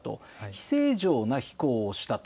非正常な飛行をしたと。